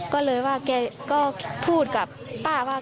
ก็เลยว่าแกก็พูดกับป้าว่า